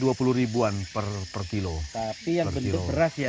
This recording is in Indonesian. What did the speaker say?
jadi kalau kita menggunakan